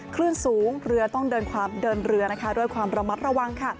คลื่นสูงเรือต้องเดินเรือนะคะด้วยความระมัดระวังค่ะ